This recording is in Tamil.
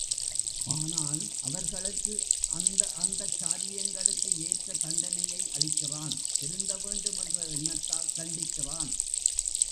ஆனால் அவர்களுக்கு அந்த அந்தக் காரியங்களுக்கு ஏற்ற தண்டனையை அளிக்கிறான் திருந்த வேண்டும் என்ற எண்ணத்தால் தண்டிக்கிறான்.